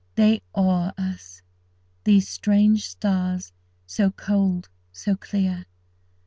They awe us, these strange stars, so cold, so clear.